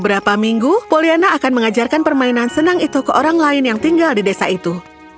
beberapa minggu poliana akan mengajarkan permainan senang itu ke orang lain yang tinggal di desa itu